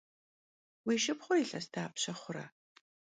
Vui şşıpxhur yilhes dapşe xhure?